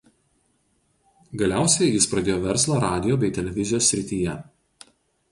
Galiausiai jis pradėjo verslą radijo bei televizijos srityje.